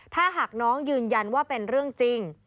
ถ้าหากน้องยืนยันว่าเป็นเรื่องจริง